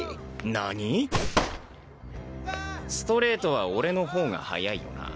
なにィ⁉ストレートは俺の方が速いよな。